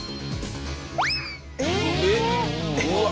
えっ？